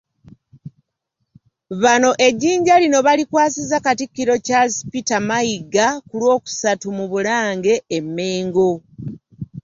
Bano ejjinja lino balikwasizza Katikkiro Charles Peter Mayiga ku Lwokusatu mu Bulange e Mmengo